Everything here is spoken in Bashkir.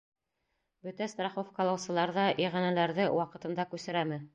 — Бөтә страховкалаусылар ҙа иғәнәләрҙе ваҡытында күсерәме?